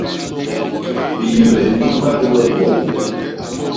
Biibe i mband we mbom.